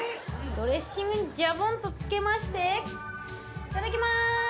ドレッシングにジャボンとつけましていただきます！